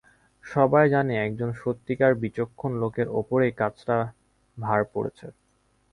সবাই জানে একজন সত্যিকার বিচক্ষণ লোকের ওপরেই কাজটার ভার পড়েছে।